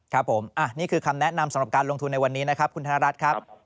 ครับผมนี่คือคำแนะนำสำหรับการลงทุนในวันนี้นะครับคุณธนรัฐครับ